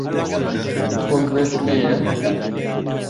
تۆ گوێت لێیە؟